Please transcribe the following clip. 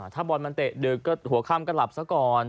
ถ้าบอลมันเตะดึกก็หัวค่ำก็หลับซะก่อน